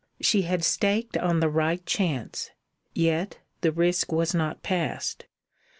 She had staked on the right chance, yet the risk was not past.